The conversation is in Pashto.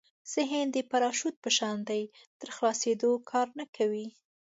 ذهن د پراشوټ په شان دی تر خلاصېدو کار نه کوي.